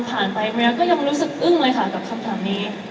ไปมาก็ยังรู้สึกอึ้งเลยค่ะกับคำถามนี้